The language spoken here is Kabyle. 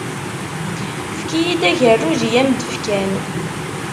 Efk-iyi-d agerruj i am-d-fkan.